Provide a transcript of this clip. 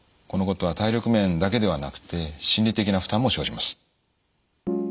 このことは体力面だけではなくて心理的な負担も生じます。